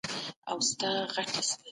نبي عليه السلام حق ته وفادار و.